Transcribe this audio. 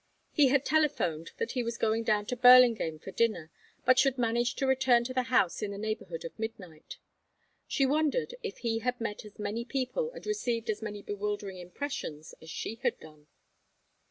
He had telephoned that he was going down to Burlingame for dinner, but should manage to return to the house in the neighborhood of midnight. She wondered if he had met as many people and received as many bewildering impressions as she had done.